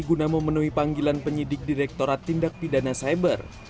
guna memenuhi panggilan penyidik direkturat tindak pidana cyber